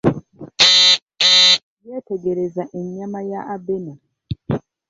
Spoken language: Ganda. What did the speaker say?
Yetegereza ennyama ya Abena.